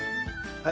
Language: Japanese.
はい。